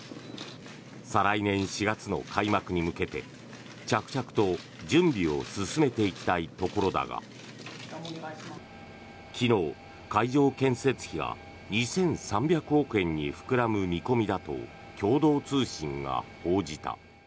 再来年４月の開幕に向けて着々と準備を進めていきたいところだが昨日、会場建設費が２３００億円に膨らむ見込みだと共同通信が報じた。